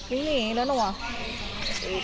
วิ่งหนีแล้วหนูอ่ะ